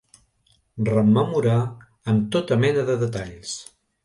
Rememorar amb tota mena de detalls.